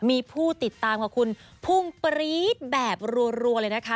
มีผู้ติดตามกับคุณพุ่งปรี๊ดแบบรัวเลยนะคะ